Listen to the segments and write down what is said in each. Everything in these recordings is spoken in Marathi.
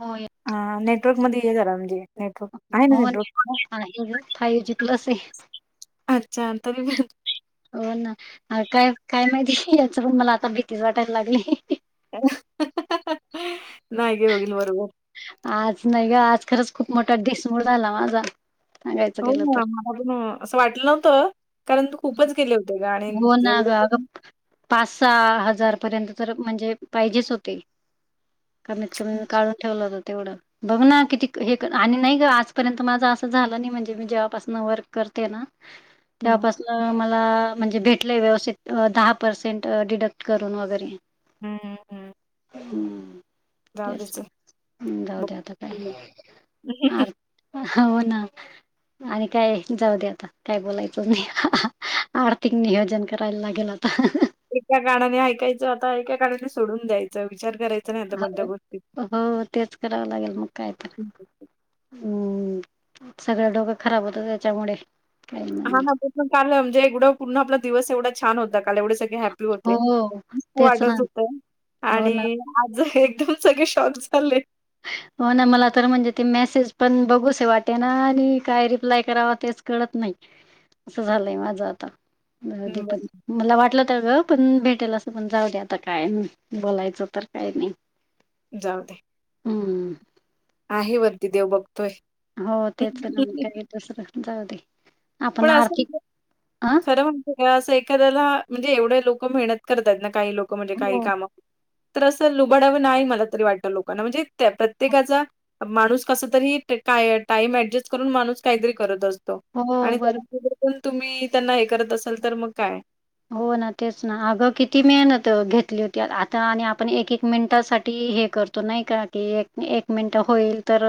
हो ह नेटवर्क मध्ये ये झाला म्हणजे नेटवर्क आहे ना नेटवर्क ा होज प्लस अच्छा त मी हो ना काय काय माहिती याच पण मला आता भीतीच वाटायला लागली न गे हगन बरब आज नाही ग आज खरंच खूप मोठा डिसमूळ झाला माझा सांगायचं हो गेलं तर ना मला पून असं वाटलं नव्हतं कारण तू खूपच गेले होते ग आणि हो ना ग एवढं अगं पाच सहा हजार पर्यंत तर म्हणजे पाहिजेच होते कमीत कमी हं, काढून ठेवलं हो तेवढं बघ ना किती हे आणि नाही ग आजपर्यंत माझा असं झालं नाही म्हणजे मी जेव्हापासून वर्क करते ना [unintelligible] त्यापास मला म्हणजे भेटलंय व्यवस्थित दहा पर्सेंट डिडक्ट करून वगैरे हा हम्म तेच ददच जाऊ द्या आता काय हो ना आणि काय जाऊ दे आता काय बोलायचं नाही आर्थिक नियोजन करायला लागेल होता एका गणाने ऐकायचं आता एका गणाने सोडून द्यायचं विचार करायचं हो हो तेच करावं लागेल मग काय तर हम्म सगळं डोकं खराब होतं त्याच्यामुळे काही हा नाही ना पण काल म्हणजे एकवडा पूर्ण आपला दिवस एवढा छान होता ला एवढे सगळे हॅप्पी हो होते हो खूप तेच ना आढत होत हो ना आणि आज एकदम सगळे शॉक झाले हो ना मला तर म्हणजे ते मेसेज पण बघूस वाटे ना आणि काय रिप्लाय करावा तेच कळत नाही अस झालंय माझं आतादी हं, पण बरं मला वाटलं त्या ग पण भेटेल असं पण जाऊ द आता काय बोलायचं तर काय नाही जाऊ दे हम्म आहे बदीी देव बघतोय हो तेच ना मग का दसर जाऊ दे आपण पण असं आर्थिक अ खरं असं एखाद्याला म्हणजे एवढे लोक मेहत आहेत ना काही लोक म्हणजे काही हो कामं तर असं लुबडावं नाही मला तरी वाटत लोकांना म्हणजे त्या प्रत्येकाचा माणूस कस तरी काय टाइम अऍडजस्ट करून माणूस काहीतरी करत असतो हो आणि बर त्याच्यातुन तुम्ही त्यांना हे करत असाल तर मग काय. हो ना तेच ना अगं किती मेहनत घेतली होती आता आणि आपण एक एक मिनिटासाठी हे कर तो नाही का की एक मिनिट होईल तर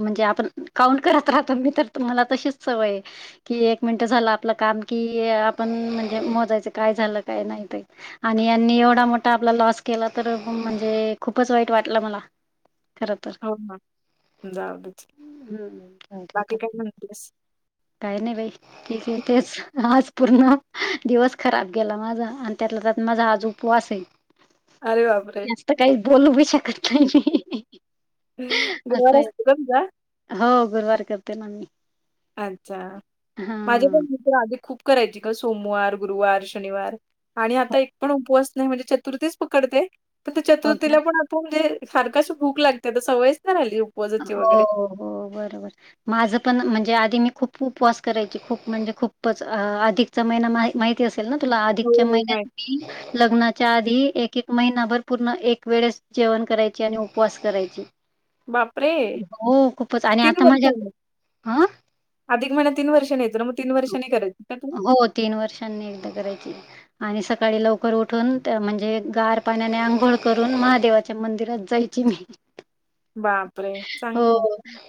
म्हणजे आपण काउंट करत राहतो मी तर मला तशीच सवय की एक मिनिट झालं आपलं काम की आपण म्हणजे च काय झालं काय नाही आणि यांनी एवढा मोठा आपला लॉस केला तर म्हणजे खूपच वाईट वाटलं मला खरं तर ह हो ना. जाऊ देच. बाकी काय म्हणतेस? काय नाही बाई ठीक आहे तेच आज पूर्ण दिवस खराब गेला माझा आणि त्यातल्या त्यात माझा आज उपवास आहे. अरे बाप रे. तर काही बोलूही शकत नाही. गुरुवार असं आहे. असतोय तुमचा? हो गुरुवार करते ना मी. अच्छा हा माझे पण मित्र आदि खूप करायचे का सोमवार गुरुवार शनिवार. आणि आता एक पण उपवास नाही म्हणजे चतुर्थीच पकडते पण त्या हो का चतुर्थीला पण प म्हणजे सारखशी भूक लागते आता सवयच नाही राहिली. उपवासाची हो वगैरे. हो बरोबर. माझं पण म्हणजे आधी मी खूप उपवास करायची खूप म्हणजे खूपच अधिकचा महिना माहि ती असेल ना तुला हो, अधिकच्या हो. नाही. महिन्यात मी लग्नाच्या आधी एक एक महिनाभर पूर्ण एक वेळेस जेवण करायचे आणि उपवास करायची. बाप रे हो खूपच आणि आता माझ्या तिन हा [unintelligible] अधिक महिना तीन वर्षानी येतो ना मग तीन वर्षनी करत होता का तुम्ही? हो तीन वर्षांनी एकदा करायची. आणि सकाळी लवकर उठून त्या म्हणजे गार पाण्याने आंघोळ करून महादेवाच्या मंदिरात जाई. ची मी. बा हो.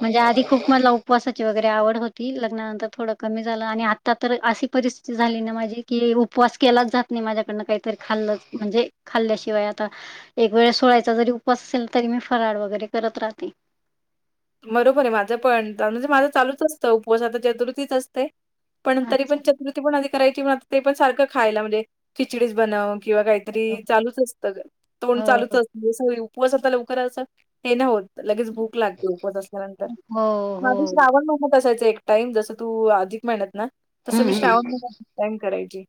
म्हणजे आधी खूप मला उपवासाची वगैरे आवड होती लग्नानंतर थोडं कमी झालं आणि आ ता तर अशी परिस्थिती झाली ना माझी की उपवास केलाच जात नाही माझ्याकडन काहीतरी खाल्लंच म्हणजे खाल्ल्याशिवाय आता एक वेळ सोळायचा जरी उपास असेल तरी मी फराळ वगैरे करत राह ते. बरोबर आहे माझं पण म्हणजे माझं चालूच असतं उपवास आता चतुर्थीच असते. पण तरी पण अच्छा. चतुर्थी पण आधी करायची आ ते पण सारखं खायला म्हणजे खिचडीस बनव किंवा काहीतरी चालूच असतं तोंड चालूच हो, अस उपवासता लवकर अस हे ना होत लगेच भूक लाग झोपत असल्यानंतर हो, माझी हो. श्रावण [unintelligible] असायचं एक टाइम जसं तू अधिक म्हइन्यात ना. हं, तसं मी हं. श्रावण [unintelligible] करायची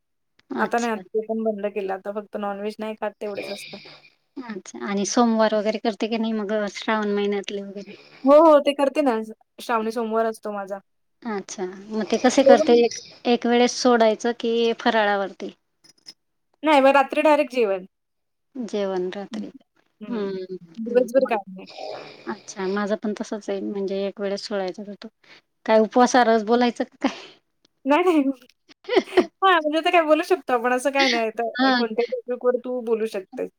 आता अच्छा. नाही आ ते पण बंद केला आता फक्त नॉनव्हेज नाही खात तेवढचं असतं. अच्छा आणि सोमवार वगैरे करते की नाही मग श्रावण महिन्यातले वगैरे. हो हो ते करते ना श्रावणी सोमवारच तो माझा. अच्छा मग ते कसे करते जेवण एक वेळेस सोडायचं कि फराळावरती? नाही मग रात्री डायरेक्ट जेवण. जेवन हं. रात्री हं. हम्म हम्म. दिवसभर काय नाही. अच्छा माझं पण तसच आहे म्हणजे एक वेळेस सोडळायचा होतो. काय उपवासाच बोलायचं काय. नाही नाही हा म्हणजे काय बोलू शकतो आपण असं काय नाही हां कोणते तू बोलू शकतेस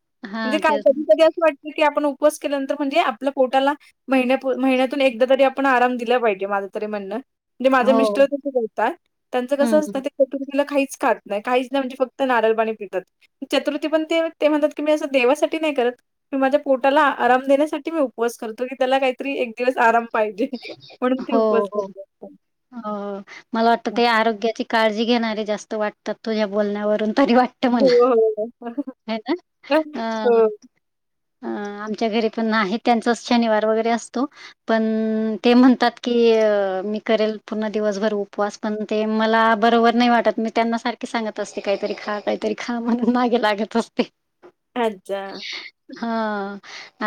म्हणजे हां काय तेच ना. कधी कधी वाटत की आपण उपवास केल्यानंतर म्हणजे आपल्या पोटाला महिण्या महिन्यातून एकदा तरी आपण आराम दिला पाहिजे माझं तरी म्हणणं. म्हणजे माझे हो मिस्टर तिथे बोलतात त्यांचं कसं हम्म असतं ते तर तुम्ही तिला काहीच खात नाही काहीच नाही म्हणजे फक्त नारळ पाणी पितात. चतुर्थी पण ते ते म्हणतात की मी असं देवासाठी नाही करत मी माझ्या पोटाला आराम देण्यासाठी मी उपवास करतो की त्याला काहीतरी एक दिवस आराम. पाहिजे म्हणून ती हो उपज हो. करत असते हो मला वाटत ते आरोग्याची काळजी घेेनारे जास्त वाटतात तुझ्या बोलन्यावरून तरी अट हो, म्हणा हो. ना अ हो. अ आमच्या घरी पण नाही त्यांचाच शनिवार वगैरे असतो पण ते म्हणतात की मी करेल पूर्ण दिवसभर उपवास पण ते मला बरोबर नाही वाटत मी त्यांना सारखे सांगत असते काहीतरी खा काहीतरी खा म्हणून मागे लागत असते [inaudible] [inaudible] हा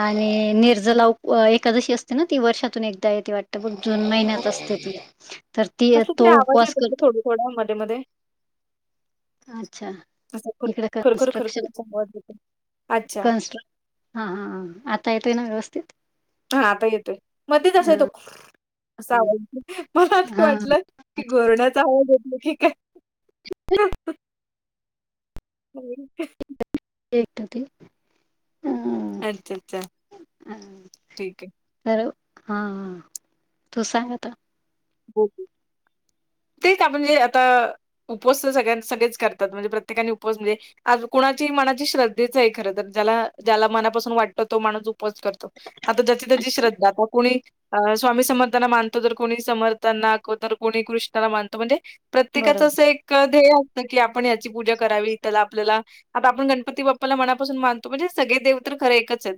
आणि निर्ज लाव एखादशी असते ना ती वर्षातून एकदा येती वाटते जून महिन्यात असते ती तर ती तो उपवास करत थोडा मध्ये मध्ये अच्छा र इकडे खरखर खरखर कन्स्ट्रक्शन देतो अच्छा हा हा ह आता येतोय ना व्यवस्थित हा आता येतोय मध्येच अस येतो हां [unintelligible] आहे तो अस आवड मला ते हां. वाटलं कि घोरण्याचा आवाज येतोय की काय नाही तेट ते अ अच्छा अच्छा ठीक आहे हॅलो हा हा तू सांग आता हो तेच आपणे आता उपोस तर सगळ्यां सगळेच करतात म्हणजे प्रत्येकाने उपोस म्हणजे आज कुणाची मनाची श्रद्धेच आहे खर तर ज्याला ज्याला मनापासून वाटत तो माणूस उपज करतो आता ज्याची त्याची श्रद्धा आता कोणी अ स्वामी समर्थांना मानतो तर कोणी समर्थांना तर कोणी कृष्णाला मानतो म्हणजे बरोबर प्रत्येकाचं असं एक ध्येय असतं की आपण याची पूजा करावी त्याला आपल्याला आता आपण गणपती बाप्पाला मनापासून मानतो म्हणजे सगळे देव तर खरे एकच आहेत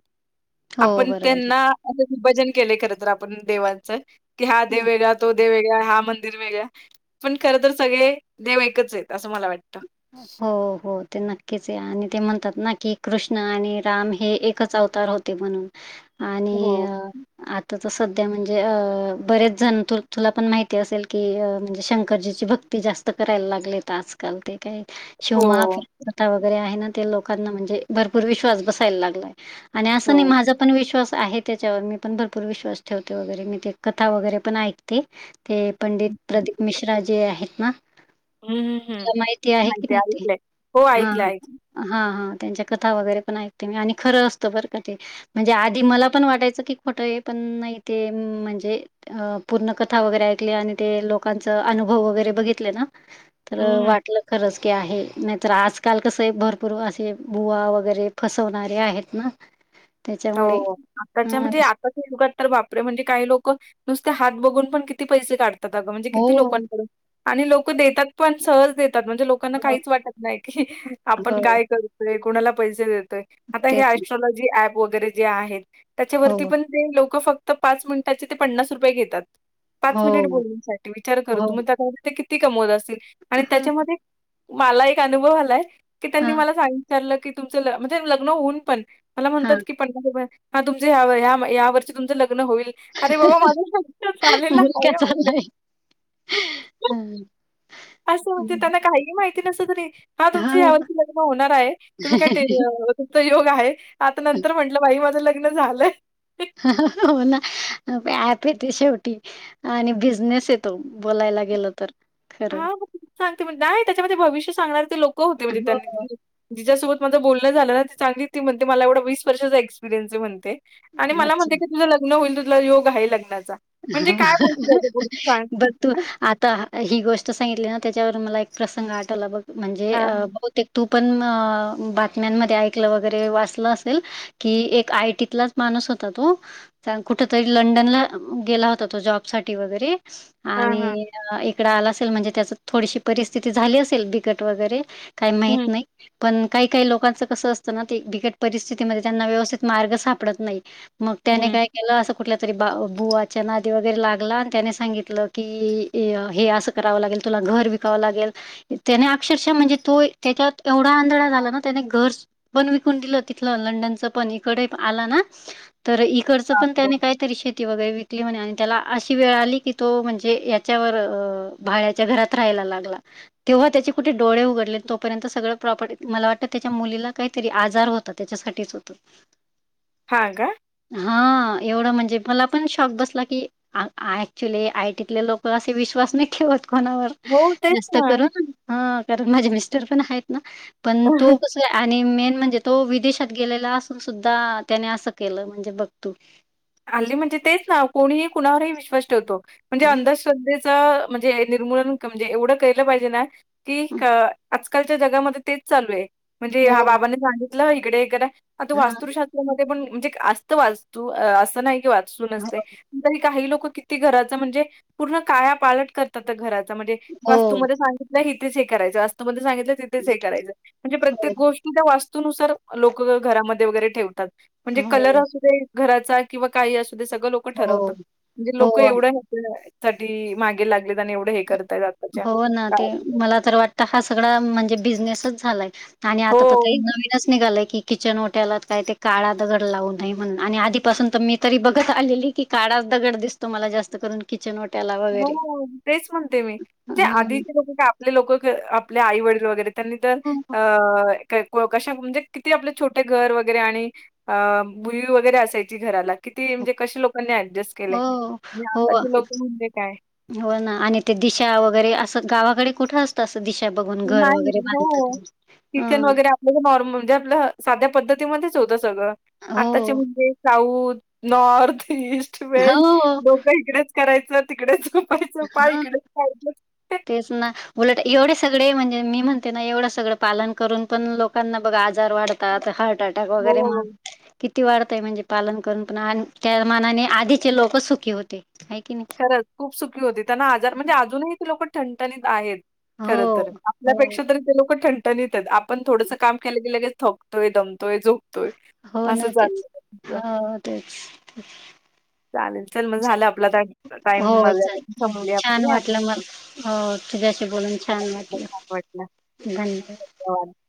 हो आपण बरोबर त्यांना असं विभजन केले खरंत आपण देवांचं कि हा आहे देव वेगळा तो देव वेगळा हा मंदिर वेगळा पण खर तर सगळे देव एककच आहेत असं मला वाटतं हो हो ते नक्कीच आहे आणि ते म्हणतात ना की कृष्ण आणि राम हे एकच अवतार होत म्हणून हो, आणि आता तर सध्या म्हणजे अ बरेच जण तुला पण माहिती असेल की म्हणजे शंकरजीची भक्त ते जास्त करायला लागलेत आजकाल ते काही शिव माफ हो, कथा वगैरे आहे ना ते लोकांना म्हणजे भरपूर विश्वास बसायला लागलाय आणि असं नाही हो. माझं पण विश्वास आहे त्याच्यावर मी पण भरपूर विश्वास ठेवते वगैरे मी ते कथा वगैरे पण ऐकते ते पंडित प्रदीप मिश्रा जे आहेत ना. हम् हम्म हम् तुला आहे माहिती ऐकलंय हो ऐकलं ऐकलं. हा हा त्यांच्या कथा वगैरे पण ऐकते मी आणि खरं असतो बरं का ते. म्हणजे आधी मला पण वाटायचं की खोटं आहे पण इ ते म्हणजे- अ पूर्ण कथा वगैरे ऐकली आणि ते लोकांचा अनुभव वगैरे बघितले ना. तर हं, हं. वाट. खरच की आहे नाहीतर आजकाल कस भरपूर असे बुवा वगैरे फसवणारे आहेत ना. त्याच्यामुळे हो अ, आताच्या म्हणजे विश आता. गात तर बापरे म्हणजे काही लोक नुसते हात बघून पण किती पैसे काढतात अगं म्हणजे हो, किती लोकांकडून आणि लोक देतात पण सहज देतात म्हणजे लोक लोकांना हो, काहीच वाटत नाही की आपण हो. काय करतोय कुणाला पैसे देतोय आता हे तेच ना. स्ट्रॉलॉजी ऍप वगैरे जे आहेत त्याच्यावरती हो, पण ते लोक फक्त पाच मिनिटाचे ते पन्नास रुपये घेतात पाच मिनिट हो, बोलण्यासाठी विचार करू हो. तु मग त्या किती कमवत असेल आणि हां, त्याच्यामध्ये मला एक अनुभव आलाय की त्यांनी हां, मला सांगचारलं की तुमच म्हणजे लग्न होऊन पण. मला म्हणतात हां. की पन्नास हा तुमचं या वर्षी तुमचं लग्न होईल. अरे बाबा माझं लग्न झालेलं आहे. [inaudible] हम्. असं म्हणे त्यांना काहीही माहिती नसतं तरी हा तुमचं हां. यावर्षी लग्न होणार आहे तुम्ही काय. त योग आहे आता नंतर म्हंटलं बाई माझं लग्न झालं. हो ना प येते शेवटी. आणि बिझनेस येतो बोलायला गेल तर. खरं हा मग त सांगते म्ह नाही त्याच्यामध्ये भविष्य सांगणारे ते लोक होते म्हणजे हो. त्यांनी. जिच्यासोबत मां बोलणं झालं ती चांगली ती म्हणते मला एवढं वीस वर्षाचा एक्पिरियन्स आहे म्हणते. आणि मला अच्छा म्हणते की तुझं लग्न होईल तुला योग आहे लग्नाचा. म्हणजे काय बोलशील याच्यापुढे सांग? बस. तू आता ही गोष्ट सांगितली ना त्याच्यावर मला एक प्रसंग आठवला बघ. म्हणजे हां, बहुतेक तू पण बातम्यांमध्ये ऐकलं वगैरे वाचलं असेल. की एक आयटीतलाच माणूस होता तो कुठ तरी लंडनला. गेला होता तो जॉब साठी वगैरे हां, हां. आणि. इकड आला असेल म्हणजे त्याच थोडीशी परिस्थिती झाली असेल बिकट वगैरे काही माहीत हं, नाही. पण काही काही लोकांचं कसं असतं ना ते बिकट परिस्थितीमध्ये त्यांना व्यवस्थित मार्ग सापडत नाही. मग त्याने हं. काय केलं असं कुठल्या तरी बा बुवाच्या नादी वगैरे लागला आणि त्याने सांगितलं की हे असं करावं लागेल तुला घर ब. लागेल त्याने अक्षरशः म्हणजे तो त्याच्यात एवढा आंधळा झाला ना त्याने घर. पण विकून दिलं तिथलं लंडनच पण इकडे आला ना तर इकड पण बापरे! त्यानी काहीतरी श वगैरे विकली म्हणे आणि त्याला अशी वेळ आली की तो म्हणजे याच्यावर भाड्याच्या घरात राहायला लागला. तेव्हा त्याचे कुठे डोळे उघडले तोपर्यंत सगं प्रॉपर्टी मला वाटतं त्याच्या मुलीला काहीतरी आजार होत. आता त्याच्यासाठीच होतं. हा. हा एवढं म्हणजे मला पण शॉक बसला की ऍक्च्युली आयटीतले लोक असे विश्वास नाही ठेवत कोणावर. हो, तेच जास्त कर ना. कारण माझे मिस्टर पण आहेत ना पण तो क आणि मेन म्हणजे तो विदेशात गेलेला असून सुद्धा त्याने असं केलं म्हणजे बघतू आल्ली म्हणजे तेच ना कोणीही कुणावरही विश्वास ठेवतो म्हणजे हं, अंधश्रधे म्हणजे निर्मूलन म्हणजे एवढं कलं पाहिजे ना कि हं. आजकालच्या जगामध्ये तेच चालू आहे. म्हणजे हो. हा बाबानी सांगितलं इकडे तो हां. वास्तुशास्त पण म्हणजे असत वाचतू असं नाही की वाचू नसते. हो. तरी काही लोक किती घराच म्हणजे पूर्ण काया पालट करतात घराचा म्हणजे हो. वास्तूमध्ये सांगितलंय इथेच हे करायचं वास्तूमध्ये सांगितलं तिथेच हे करायचं म्हणजे प्रत्येक हो. गोष्ट त्या वास्तुनुसार लोक घरामध्ये वगैरे ठेवतात म्हणजे कलर हो. असुदे घराचा किंवा काही असू दे सगळं लोक ठरवतात हो. म्हणजे लोक हो. एवढं ह्याच्या साठी मागे लाग निदान एवढे हे करताय आताच्या हो ना ते काळात मला तर वाटत हा सगळा म्हणजे बिझनेसच झालाय आणि हो. आता तर काय नवीन आत्ताच निघालय की किचन ओट्यालात काय ते काळा दगड लावू म्हण आणि आधीपासून तर मी तरी बघत आलेली की काडाप दगड दिसतो मला जास्त करून किचन ओट्याला वगैरे हो, तेच म्हणते मी म्ह जे हं. आधीचे लोक काय आपले लोक आपल्या आई वडील वगैरे त्यांनी तर हो, अ कशा म्हणजे किती आपले छोटे घर वगैरे आणि अ बुई वगैरे असायची घराला किती म्हणजे कशे लोकांनी ऍडजस्ट केलं, हो, मी हो, आता केलोय म्हणू एक हो ना आणि ते दिशा वगैरे असं गावाकडे कुठं असत तस दिशा बघून घर नाही. वगैरे बांधतात, अ. म्हणजे नॉर्मल म्हणजे आपल साध्या पद्धतीमध्येच होतं सगळं हो, आत्ताचे म्हणजे साऊथ, नॉर्थ, ईस्ट, वेस्ट हो, डोक इकडेच करायच. तिकडेच झोपायच हो. पाय इकडेच पाहिजे. तेच ना. उलट एवढे सगळे म्हणजे मी म्हणते ना एवढं सगळं पालन करून पण लोकांना बघा आजार वाढ तात हार्ट अटॅक वगैरे म हो, की ती वाढतय म्हणजे पालन करून पण आणि त्या मानाने आधीचे लोक सुखी होते हाय की नाय. खरच खूप सुखी होती त्यांना आजार म्हणजे अजूनही ते लोक ठणठणीत आहेत. खर हो तर हो आपल्यापेक्षा तरी ते लोक ठणठणीत आहेत. आपण थोडस काम केलं की लगेच थक तोय दमतोय, झोपतोय, हो असं ना तेच चालय. हो तेच. चालेल चल मग झाला आपला टाईम टाईम हो मर्यादा पण चालेल हो संपली छान आपली. आपण वाटलं मला. हो तुझ्याशी बोलून छान वाटलं, छान वाटलं. धन्यवाद. [unintelligible]